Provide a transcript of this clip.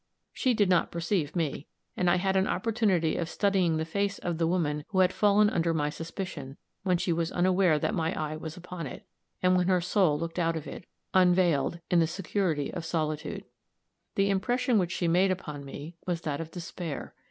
She did not perceive me, and I had an opportunity of studying the face of the woman who had fallen under my suspicion, when she was unaware that my eye was upon it, and when her soul looked out of it, unvailed, in the security of solitude. The impression which she made upon me was that of despair.